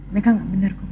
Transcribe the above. mereka gak bener kok